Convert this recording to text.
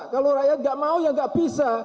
kalau rakyat nggak mau ya nggak bisa